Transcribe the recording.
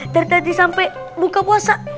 dari tadi sampai buka puasa